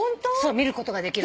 見ることができる。